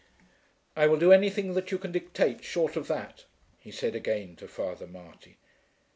"I will do anything that you can dictate short of that," he said again to Father Marty.